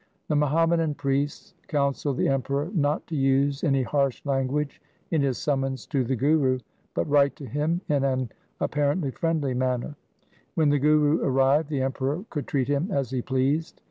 1 The Muhammadan priests counselled the Emperor not to use any harsh language in his summons to the Guru, but write to him in an apparently friendly manner. When the Guru arrived, the Emperor could treat him as he pleased.